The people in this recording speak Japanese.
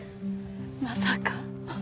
まさか？